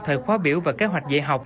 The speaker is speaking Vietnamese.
thời khóa biểu và kế hoạch dạy học